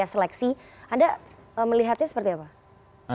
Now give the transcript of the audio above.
seleksi anda melihatnya seperti apa